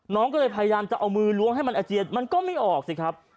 น้องก็เลยพยายามจะเอามือล้วงให้มันอาเจียนมันก็ไม่ออกสิครับ